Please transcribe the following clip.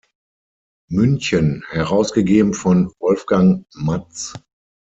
München, herausgegeben von Wolfgang Matz.